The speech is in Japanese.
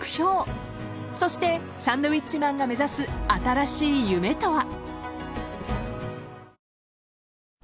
［そしてサンドウィッチマンが目指す新しい夢とは］